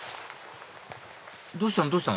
どうしたの？